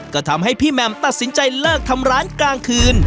ก็ทำให้พี่แหม่มตัดสินใจเลิกทำร้านกลางคืน